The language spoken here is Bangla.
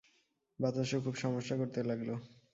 বাতাসও খুব সমস্যা করতে লাগল।